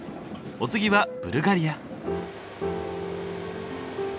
お次はブルガリア。